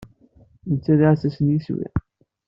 Netta d aɛessas n yeswi.